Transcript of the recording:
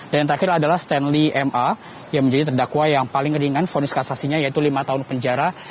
dan yang terakhir adalah stanley m a yang menjadi terdakwa yang paling ringan vonis kasasinya yaitu lima tahun penjara